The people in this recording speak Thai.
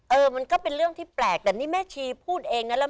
เออมันก็เป็นเรื่องที่แปลกแต่นี่แม่ชีพูดเองนะ